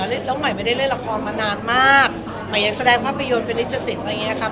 แล้วใหม่ไม่ได้เล่นละครมานานมากหมายยังแสดงภาพยนตร์เป็นลิขสิทธิ์อะไรอย่างนี้ครับ